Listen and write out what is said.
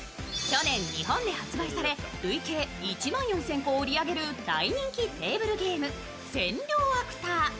去年、日本で発売され、累計１万４０００個を売り上げる大人気テーブルゲーム、千両アクター。